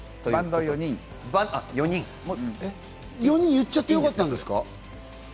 言っちゃってよかったんですか？